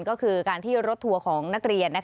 ก็คือการที่รถทัวร์ของนักเรียน